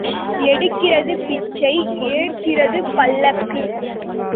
எடுக்கிறது பிச்சை ஏறுகிறது பல்லக்கு.